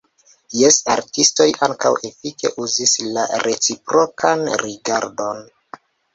Jes, artistoj ankaŭ efike uzis la reciprokan rigardon.